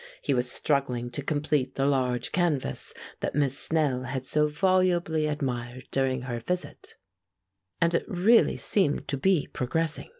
He was struggling to complete the large canvas that Miss Snell had so volubly admired during her visit, and it really seemed to be progressing.